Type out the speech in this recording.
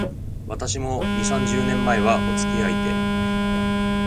私も、二、三十年前は、おつきあいで